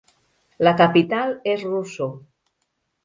La capital és Roseau.